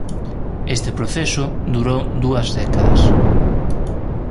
Este proceso durou dúas décadas.